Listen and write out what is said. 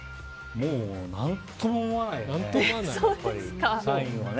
もう、何とも思わないよね。